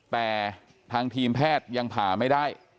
แต่ทางทีมแพทย์ยังผ่าไม่ได้